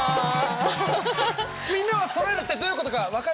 みんなはそろえるってどういうことか分かる？